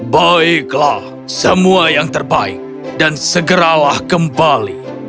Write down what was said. baiklah semua yang terbaik dan segeralah kembali